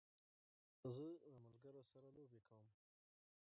زه له ملګرو سره بازۍ کوم.